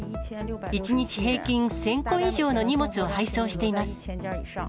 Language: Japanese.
１日平均１０００個以上の荷物を配送しています。